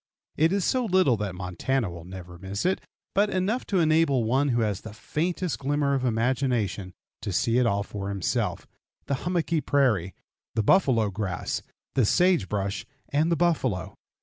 It is so little that Montana will never miss it, but enough to enable one who has the faintest glimmer of imagination to see it all for himself the hummocky prairie, the buffalo grass, the sage brush, and the buffalo.